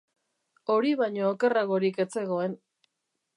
Hori baino okerragorik ez zegoen.